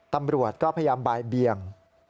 ตำรวจก็พยายามบ่ายเบียง